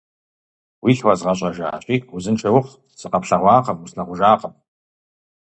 Уилъ уэзгъэщӀэжащи, узыншэ ухъу, сыкъэплъэгъуакъым, услъэгъужакъым.